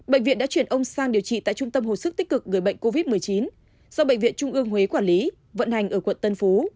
bệnh viện đã chuyển ông sang điều trị tại trung tâm hồi sức tích cực người bệnh covid một mươi chín do bệnh viện trung ương huế quản lý vận hành ở quận tân phú